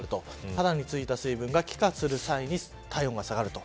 肌に付いた水分が気化する際に体温が下がると。